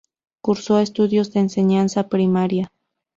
Cursó estudios de enseñanza primaria.